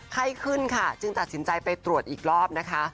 ไข้ขึ้นค่ะจึงตัดสินใจไปตรวจอีกรอบนะคะ